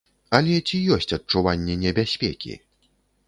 Але ці ёсць адчуванне небяспекі?